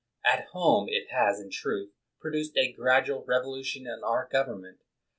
At home, it has, in truth, produced a gradual revo lution in our government.